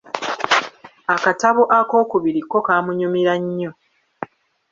Akatabo akookubiri ko kaamunyumira nnyo.